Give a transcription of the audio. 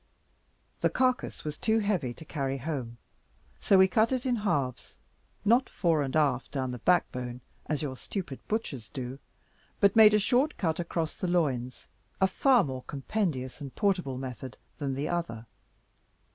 The carcass was too heavy to carry home, so we cut it in halves, not fore and aft down the backbone, as your stupid butchers do, but made a short cut across the loins, a far more compendious and portable method than the other.